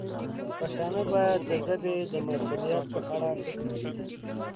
پښتانه باید د ژبې د مسوولیت په اړه فکر وکړي.